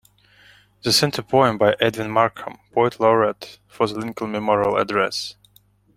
The center poem by Edwin Markham, poet Laureate for the Lincoln Memorial address.